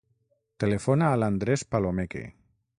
Telefona a l'Andrés Palomeque.